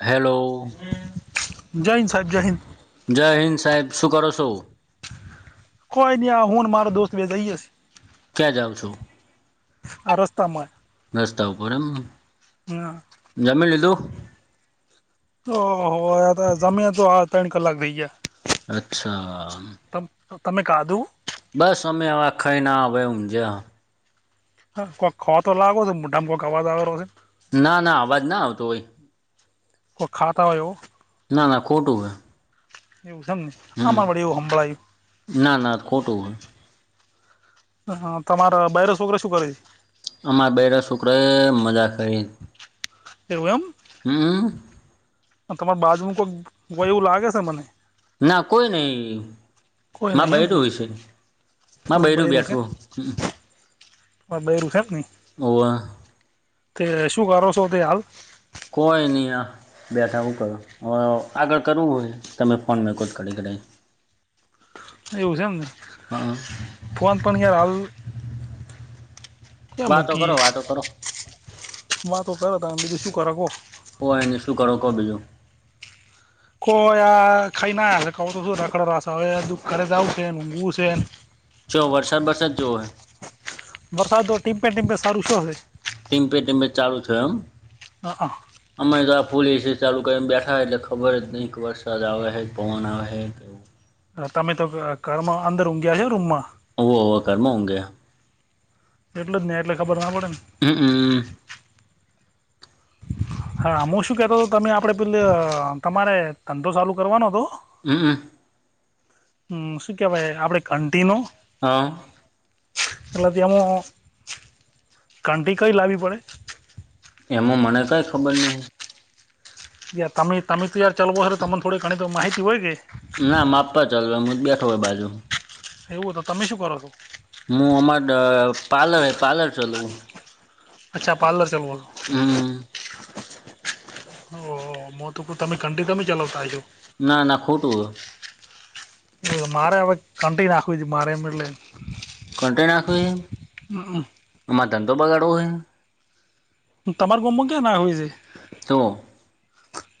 Hello. જય હિંદ સાહેબ જય હિંદ. જય હિંદ સાહેબ શું કરો છો. કોઈની હું મારે દોસ્ત બે જઈએ છે. ક્યાં જાઓ છો. આ રસ્તામા રસ્તા ઉપર એમ. જમી લીધું? ઓહો આતો જમી તો આ ત્રણ કલાક થઈ ગયા. અચ્છા. તમ તો તમે ખાધું? બસ અમે આ હવે ખઈને આ હવે ઊંઘ્યા. હા કોઈક ખો તો લાગો છો મોઢામાં કોક અવાજ આવે રો તે. ના ના અવાજ ના આવતો હોય. કોક ખાતા હોય એવો. ના ના ખોટું હે. એવું સે એમ ને? આમાં વરી એવું હભળાયું. ના ના ખોટું હે. હ તમારા બઇરી શોકરે શું કરે છે? અમારા બૈરા સોકરા એ મજા કરે ને. એવું એમ. હમ તમાર બાજુમાં કોક હોય એવું લાગે છે મને. ના કોઈ નહીં. કોઈ માર નહીં એમ બૈરું નહીં હશે. મારું તમારું બૈરું છે બેઠું હે. હઆ તમારું બૈરું છે એમને? હોવ તે શું કરો છો તે હાલ? કોઈ નહી આ. બેઠાવું કરું હ આગળ કરવું હોય તમે ફોન મેં કો જ કટી કઢાઈ. એવું છે એમને? હા ફોન પણ કે હાલ ક્યા વાતો કરો મૂકીએે વાતો કરો વાતો કર તારે બીજું શું કરે કો. કોય ની શું કરો કો બીજું. કો ખાઈ ના તો શું નાકડ હવે દુઃખ ઘરે જાવું છે અને ઊંઘવું છે ને. જો વરસાદ વરસાદ જ જોવો હે? વરસાદો ટીમપે ટીમ્પે સારું શું હાલે. ટીમ્પે ટીમપે ચાલુ થયો એમ? હઆ અમે તો આ ફૂલ એસી ચાલુ કરીને બેઠા એટલે ખબર જ નહીં કે વરસાદ આવે હે કે પવન આવે હે કે એવું હા તમે તો ઘરમાં અંદર ઊંઘીયા છો રૂમમાં? હોવે હોવે ઘરમાં ઊંઘયા. એટલે જ ને એટલે ખબર ના પડે ને. હમ અ હા હું શું કેતો હતો તમે આપડે પેલ તમારે ધંધો ચાલુ કરવાનો હતો? હમમ અ હમ શું કેવાય આપણે ઘંટીનું. હા એટલે તેમાં ઘંટી કઈ લાવવી પડે? એમાં મને કાઈ ખબર નહિ. યાર તમે તમે તો યાર ચાલવો સર તમને થોડી ઘણી તો માહિતી હોય કે. ના માપપ ચાલવા હુત બેઠો હોય બાજુ. એવું હે તો તમે શું કરો છો? હું અમાર પાર્લર હે પાર્લર ચલવું. અચ્છા પાર્લર ચલવો. હમ ઓહો મો તો કુ તમે ઘંટી તમે ચલાવતા હસો. ના ના ખોટું હહ. એ મારે હવે કંન્ટિન રાખવું મારે એમ એટલે. કન્ટેન નાખવું હે? માર ધંધો બગાડવો હે? મુ તમાર ગોમમા કયાં નાહવી છે. તો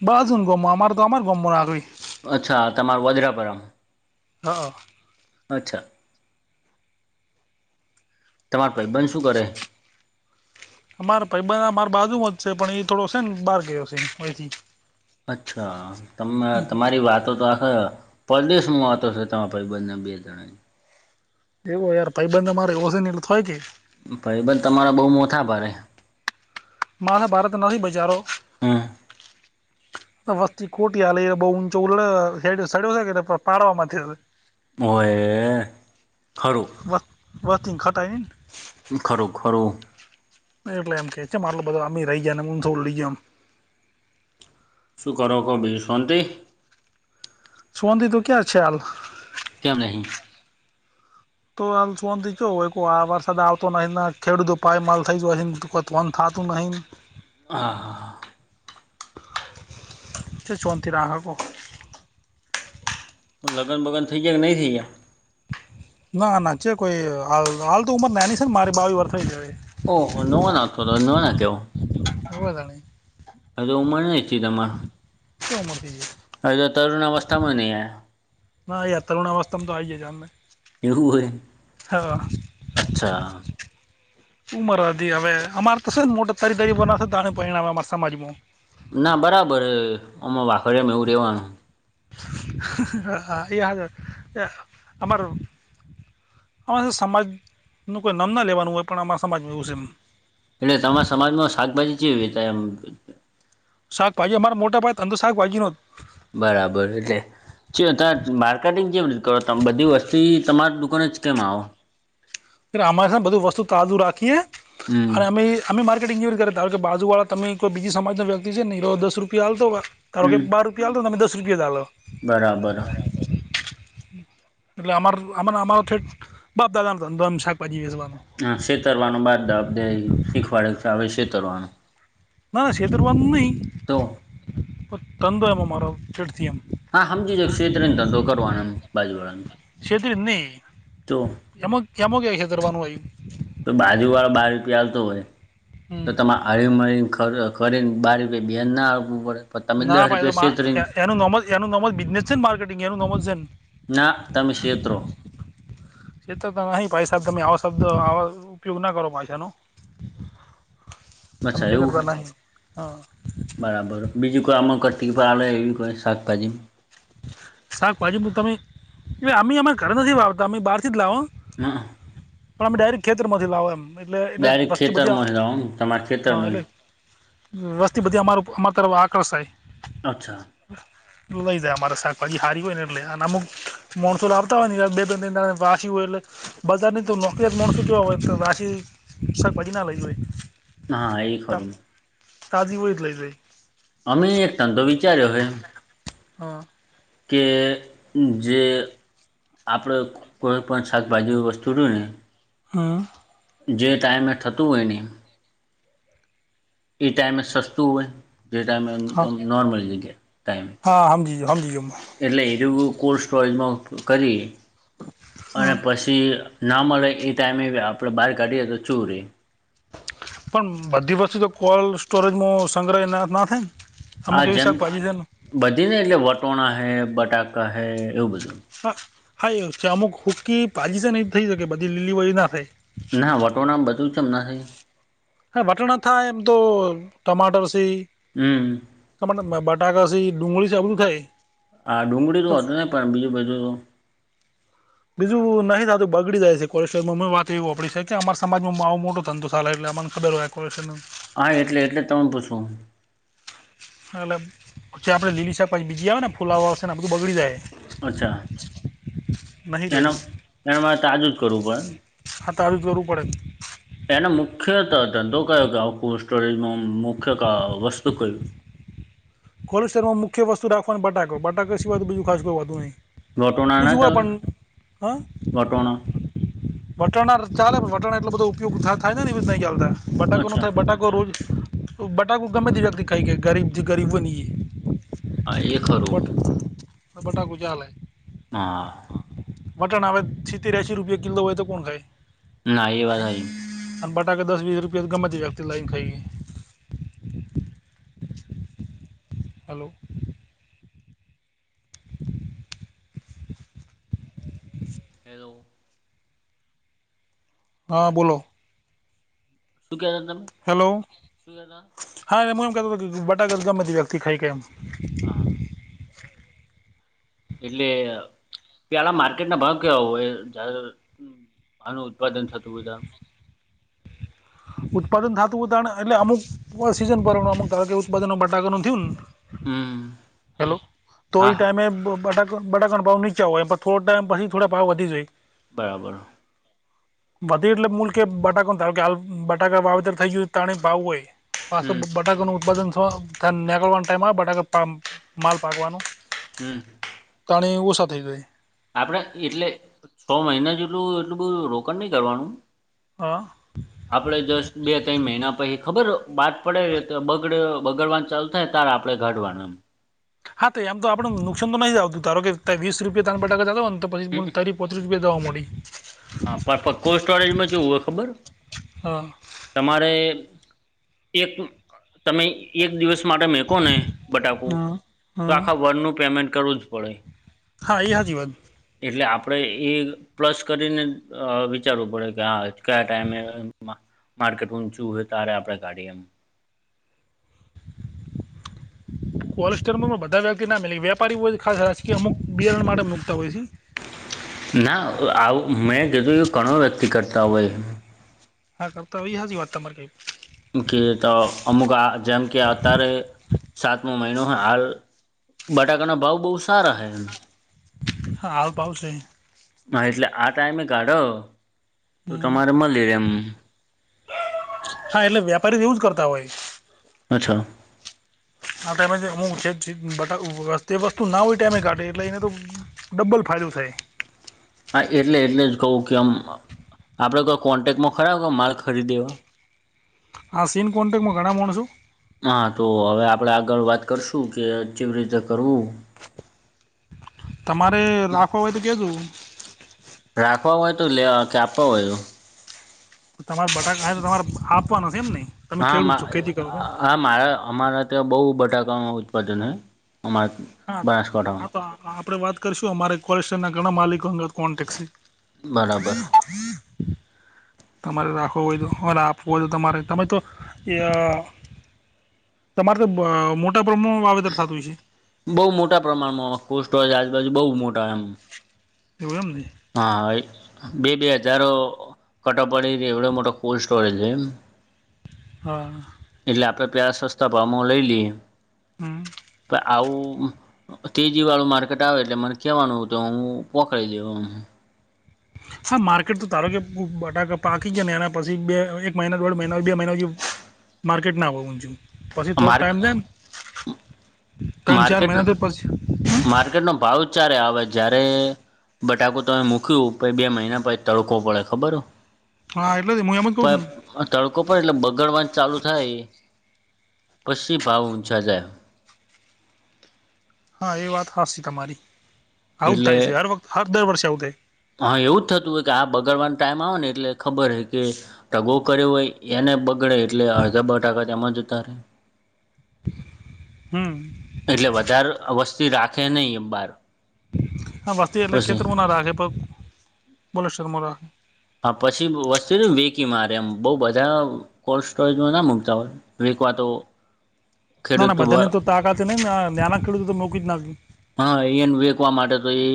બાજુન ગોમમા અમાર તો અમાર ગોમમા નાખવી. અચ્છા તમાર વોદરાપરામ. હ. અચ્છા, તમાર ભઈબંધ શું કરે? અમારે ભઈબંધ અમાર બાજુમાં જ છે પણ એ થોડો શે ને બહાર ગયો છે અહીથી. અચ્છા તમ તમારી વાતો તો આખ પરદેશમાં વાતો છે તમાર ભઈબંધને બે જણાની. એવું યાર ભઈબંધ અમાર એવો છે ને એટલે હોય કે. ભઈબંધ તમારા બહુ મોથા ભારે. માથાબારે તો બચારો. હમ વસ્તી ખોટી હાલે એ બઉ ઊંચો ઉલડે હેડે સડ્યો કે પાડવામાથે. હોયે ખરું. વાહ વસ્તીમ ખતાય નઈ ન. ખરું ખરું. એટલે એમ કે ચમ આટલો બધો અમે રહી ગયા ને હું સૌ લઈ ગયા એમ. શું કરો કો બીજું શોન્તિ? શોન્તિ તો ક્યા છે હાલ. કેમ નહીં? તો હાલ શોન્તિ ચો હોય કો આ વરસાદ આવતો નહીં ન ખેડૂતો પાયમાલ થઈ જો હેન કોમ થાતું નહીંન. [inaudible] હા હા. ચે શોન્તિ રાખે કો. લગન બગન થઈ ગયા કે નહીં થઈ ગયાં? ના ના ચે કોઈ હાલ હાલ તો ઉંમર નેની છે ને મારે બાવી વરહ થઈ ગયા હે. ઓહો નવો ના થ તો તો નવે ના કેવાય. હોવે ધણી. હવે ઉંમર નહીં થઈ તમાર ચો ઉંમર થઈ ગઈ હજુ તો તરુણ અવસ્થામાં ય નઈ આયા. ના યાર, તરુણ અવસ્થામાં તો આઈ ગયા છ અમે. એવું હે? હા અચ્છા. ઉંમર હતી હવે અમારે તો છે જ મોટા તરી તારી બનાશે તણ પયણાવામ અમાર સમાજમાં. ના બરાબર હે અમાર વાખડિયામ એવું રહેવાનું. હા હા એ [unintelligible] અમાર અમારે શું સમાજનું કોઈ નામ ના લેવાનું હોય પણ અમારા સમાજમાં એવું શે એમ. એટલે તમારાં સમાજમાં શાકભાજી ચેવી વેચાય એમ. શાકભાજી અમારે મોટાપાયે ધંધો શાકભાજીનો. બરાબર એટલે ચ ત્યાં માર્કેટિંગ કેવી રીતે કરો તમે બધી વસ્તી તમારા દુકાને જ કેમ આવ? અમાર શેન બધું વસ્તુ તાજુ રાખીએ. હમ્મ. અને અમે અમે માર્કેટિંગ કેવી રીતે કરે ધારો કે બાજુવાળા તમે કોઈ બીજી સમાજનો વ્યક્તિ છે ને એરો દસ રૂપિયા આલતો હોય ધારો કે હમ બાર રૂપિયા આલતો હોયન તો તમે દસ રૂપિયા જ આલે. બરાબર હ. એટલે અમાર અમારો ઠેટ બાપ દાદાન ધંધો એમ શાકભાજી વેચવાનો. હમ્મ, શેતરવાનો બાપ દા દેય શીખવાડે આવ રીત શેતરવાનું. ના ના શેતરવાનું નહીં. તો [inaudible] એમ અમારો ચડથી એમ. હા સમજી જ ક્ષેત્રીનો ધંધો કરવાનો એમ બાજુ વાળાનો છેતરી જ નહીં તો એમાં [inaudible] છેતરવાનું એય તો બાજુ વાળો બાર રૂપિયા આલતો હોય. તો હમ તમારે હળી મરીને કરીને બાર [inaudible] આવવું પડે. પણ તમે ના દસ ભાઈ રૂપિયા છેતરીને તો એનું નોમ જ એનું નોમ જ [unintelligible] ના તમે શેત્રો. [unintelligible] નહીં ભાય સાહેબ તમે આવો શબ્દ આવાો ઉપયોગ ના કરો ભાષાનો. [inaudible] અચ્છા છેતરતા એવું? નહીં હા બરાબર બીજું કો આમાં [unintelligible] શાકભાજી. શાકભાજી તમે અમે અમારે ઘરે નથી વાવતા અમે બહાર થી જ લાવો. [inaudible] પણ અમે ડાયરેક્ટ ખેતરમાં લાવ એમ એટલે એટલે ડાયરેક્ટ વસ્તી બધી ખેતરમાં જ રહો તમારા હા ખેતરમાં જ. એટલે, વસ્તી બધી અમારું અમારી તરફ આકર્ષાય. અચ્છા. લ લઈ આમ. અરે શાકભાજી સારી હોય ને એટલે અમુક [unintelligible] બજારની તો નોકરી જ મળશે જોવા [unintelligible] હા એ ખરું. તાજી હોય એ જ લઈ [inaudible] અમે એક ધંધો વિચાર્યો હે હા કે જે આપણે કોઈ પણ શાકભાજી વસ્તુ જોઈને. હમ જે ટાઈમે થતું હોય એની. એ ટાઈમે સસ્તુ હોય જે ટાઈમમાં હા નોર્મલ જગ્યા ટાઈમ. હા હમ [unintelligible] એટલે [inaudible] કોલ્ડ સ્ટોરેજમાં કરી અને હમ. પછી. એ ના મલે એ ટાઈમે આપણે બહાર કાઢીએ તો ચૂરી પણ બધી વસ્તુથી તો કોલ્ડ સ્ટોરેજમાં સંગ્રહ ના થાય. આ અમુક એવી જેમ શાકભાજી છે ને બધી ને એટલે વટોણા હૈ, બટાકા હૈ એવું બધું. હા હા એવું છે અમુક હૂકી ભાજી છે નહી થઈ શકે બધી લીલી ભાજી ના થાય. હા વટોણા [inaudible] હા વટોણા થાય એમ તો ટમાટર સે. હમ તમારા બટાકા સી ડુંગળી છે આ બધું થાય. હા ડુંગળી તો હતી ને પણ બીજું બાજુ. [inaudible] બીજું નહી થતું બગડી જાય છે [inaudible] વાત એવી આપડી છે કે અમારા સમાજમાં આવો મોટો ધંધો ચાલે એટલે. [unintelligible] હા એટલે એટલે તમને પૂછું. એટલે પછી આપણે લીલી શાકભાજી બીજી આવે ને ફૂલાવા આવશે ને બધું બગડી જાય. અચ્છા નહીં એના રહેતું એના મારે તાજું જ કરવું પડે. [inaudible] કરવું પડે એને મુખ્ય ત ધંધો કયો કે આ કોલ્ડ સ્ટોરેજમાં મુખ્ય કા વસ્તુ કઈ? [inaudible] વસ્તુ રાખવાનું બટાકો બટાકો સિવાય બીજુ ખાસ કોઈ હોતું નહીં. વટોના ના બીજું હોય ચાલ પણ હા વટોના. વટાણા ચાલે વટાણ એટલો બધો ઉપયોગ થાય ને એ્યા બટાકો નું અચ્છા થાય બટા રોજ બટાકુ ગમે તે વ્યક્તિ ખાાઈ કે ગરીબ જથી ગરીબ વ ન હા એ ખરું હ બટા ગુજાાલલે હા વટણ હવે સિત્તેરશ રૂપિયા કિલો હોય તો કોણ ખાય ના એવા નઈ અને બટાકા દસ વીસ રૂપિયા ગામ માંથી જાતે લાઈન ખાઈએ હલો સ... હેલો હા બોલો શું કેતા તમે હેલો શું કહેતા હા એમાં એમ કેતો હતો બટાકા ગમે તે વ્યક્તિ ખાઈ કે એમ હા એટલે ત્યાંના માર્કેટ ના ભાવ કેવા હોય આનું ઉત્પાદન થતું બધા ઉત્પાદન થતું હોય તાણે એટલે અમુક સીઝન પરનું અમુક કારણ કે ઉત્પાદનમાં બટાકાનું થયું ને હમ્મ. હેલો હા તોઈ હા ટાઈમે બટા બડાકા ના ભાવ નીચા હોય એ થોડા ટાઈમ પછી થોડા ભાવ વધી જ બરાબર વધી એટલે મૂલ કે બટાકો કે બટાકા વાવેતર થઈ ગયું તાણે ભાવ હોય પાસે હમ્મ બટાકાનું ઉત્પાદન ત નીકળવાનો ટાઈમ બટાકા માલ પાકવાનો હમમ.. તણી ઓસા થઈ જોય આપણે એટલે છ મહિના જેટલું એટલું બહુ રોકાણ નહી કરવાનું હા આપડે જસ્ટ બે ત્રણ મહિના પછી ખબર બાદ પડે તો બગડ બગડવાન ચાલ થાય તાર આપણે કાઢવાના હા તો એમ તો આપડું નુકસાન તો નહી જ આવતું ધારોકે કે વીસ રૂપિયા ત બટાકા જતા હોને તો પછી હમ્મ. ત પતરૂપિયા દવા મળડી હા પણ કોલ્ડ સ્ટોરેજમાં ચેવુ હોય ખબર હા તમારે એક તમે એક દિવસ માટે મેકોને બટાકું હા તો હા આખા વર્ષનું પેમેન્ટ કરવું જ પડે હા એ હાચી વાત એટલે આપણેે એ પ્લસ કરીને વિચારવું પડે કે હા કયા ટાઈમેમ માર્કેટ ઊંચું હોય ત્યારે આપણેે કાઢી એમ ટ.. કોલ્ડસ્ટોરેજ બધા વ્યક્તિ ના મેલે વેપારી ખાસ રાજકી અમુક બિયારણ માટે મૂકતા હોય છે ના આવું મેં જીધું એ ઘણો વ્યક્તિ કરતા હોય હા કરતા આવી હાચી વાત તમારી કે તો અમુક આ જેમ કે અત્યારે સાતમો મહિનો હ હાલ બટાકાના ભાવ બહુ સારા હ એમ હા આવ પાાવશે હા એટલે આ ટાઈમે કાઢો તો તમારે મળી રે એમ હા એટલે વ્યાપારી એવું જ કરતા હોય અચ્છા આ ટાઈમે જે હું છે બા વસ્તુ ના હોય ટાઈમે કાટેે એટલે એને તો ડબલ ફાયદો થાય. હા એટલે એટલે જ કહું કે આમ આપડે કોઈ કોન્ટેક્ટમાં ખરા ક માલ ખરીદે એવા હા સીન કોન્ટેક્ટ માં ઘણા મોનસો હા તો હવે આપણેે આગળ વાત કરશું કે કેવી રીતે કરવુ તમારે રાખવા હોય તો કેજો રાખવા હોય તો લે કે આપવા હોય તો તમારે બટાકાાય તો તમારે આપવાનો છે, એમ નહી. [unintelligible] હા મારા અમારા ત્યાં બહુ બટાકાનું ઉત્પાદન છેય અમારા હા હા તો બનાસકાંઠામાં આપડે વાત કરીશું અમારે કોલેજ ના ઘણા માલિક અંગત કો બરાબર [inaudible] તમારે રાખવું હોય તો અને આપવું હોય તો તમારે તમે તો એ તમારે તો મોટા પ્રમાણ વાવેતર થતું છે. બહુ મોટા પ્રમાણમાં કો સો છે આજુબાજુ બહુ મોટા એમ [unintelligible] હા હા બે બે હજારો કટો પડી એવડો મોટો કોલ્ડ સ્ટોરેજ છે એમ હા એટલે આપડે પ્યાાર સસ્તા ભમ લઈ લઈએ હમ તો આવુ તેજી વાળું માર્કેટ આવે એટલે મને કેવાનું તો હું પોકડીી દેવમ [inaudible] હા માર્કેટ તો તારો કે બટાકા પાકી જાય ને એના પછી બે એક મહિના દોઢ મહિના બે મહિના જે માર્કેટ ના આવવા ઊ પછી થોડો માર્ક ટાઈમ દ માર્કેટ મહિના તો પછી હમ માર્કેટનોો ભાવ ચારે આવે જારે બટાકું તમે મૂક્યું પ બે મહિના પછી તડકો પડે ખબર હો. હા એટલે જ હું એમ જ કઉ છ ને તડકો પર એટલે બગડવાંધ ચાલુ થાય પછી ભાવ ઊંચા જાય. હા એ વાત હાસ છે તમારી આઉટ થાય એટલે છે હર વખત હા દર વર્ષે આવુંટ થાય. હા એવું જ થતું હોય કે આ બગડવાનો ટાઈમ આવે ને એટલે ખબર હ કે ઢગો કર્યો હોય. એને બગડે એટલે અડધા બ ટાકા તેમાં જ ઉતારે હમ્મ એટલે વધારે વસ્તી રાખે નહિ એ બાર હા વસ્તી એટલે પછી ખેતરમાં ના રાખે પણ બોલે શક રાખે હા પછી વસ્તુ ને વેકી મારે એમ બહુ બધા કોલ્ડ સ્ટોરેજમાં ના મૂકતા હોય. વેકવા તો ના ના બધાની ખેડૂત તો તાકાત છે ન નાના ખેડૂતો તો મોૂકી જ નાખ હા એને વેકવા માટે તો એ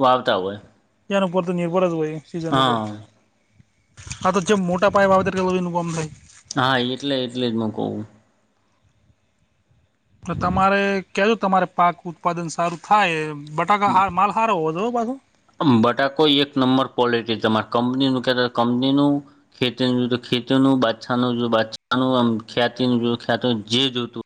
વા આવતા હોય. ત્યાન ઉપર તો નિર્ભર જ ભાઈ સીઝન ઉપર હા આ તો જે મોટા પાાય બાબ કેનમાઈ હા એટલે એટલે જ મું કહુ તમારે કજો તમારે પાક ઉત્પાદન સારુ થાય બટાકા માલ સાર હોો તો પાછો. બટાકો એક નંબર પલિટી તમારે કંપનીનું કહેતા કંપનીનુ ખેતીું જોયું તો ખેતી નું બા્છા નું જો બાા નમ ખ્યાતિ નું જોય ખ્યાત જે જોતુ